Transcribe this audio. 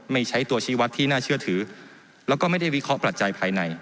ไม่ใช้ตัวชีวัตรที่น่าเชื่อถือแล้วก็ไม่ได้วิเคราะห์ปัจจัยภายใน